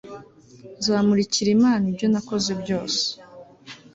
nzamurikira imana ibyo nakoze byose